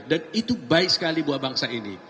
dan itu baik sekali buat bangsa ini